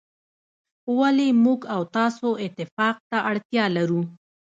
ولي موږ او تاسو اتفاق ته اړتیا لرو.